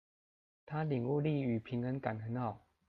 他領悟力與平衡感很好